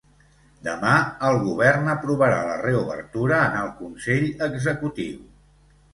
Demà el govern aprovarà la reobertura en el consell executiu.